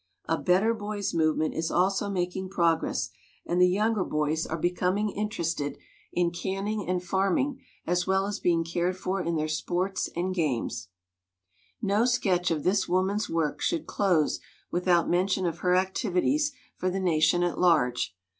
A "Better Boys Movement" is also making progress and the younger boys are becom 80 WOMEN OF ACHIEVEMENT ing interested in canning and farming as well as being cared for in their sports and games. No sketch of this woman's work should close without mention of her activities for the nation at large.